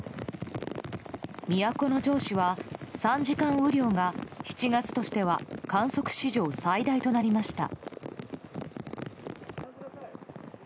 都城市は３時間雨量が７月としては観測史上最大となりました。